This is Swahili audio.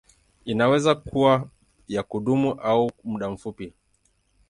Inaweza kuwa ya kudumu au ya muda mfupi.